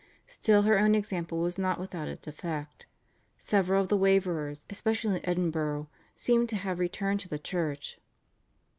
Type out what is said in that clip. Still her own example was not without its effect. Several of the waverers especially in Edinburgh seem to have returned to the Church.